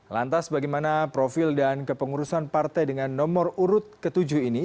lantas bagaimana profil dan kepengurusan partai dengan nomor urut ketujuh ini